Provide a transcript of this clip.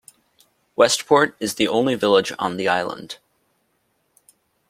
Westport is the only village on the island.